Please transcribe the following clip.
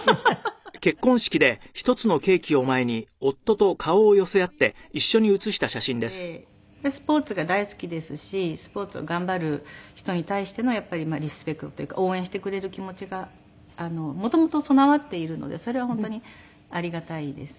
まあそういう家庭で育ったのでスポーツが大好きですしスポーツを頑張る人に対してのやっぱりリスペクトというか応援してくれる気持ちが元々備わっているのでそれは本当にありがたいですね。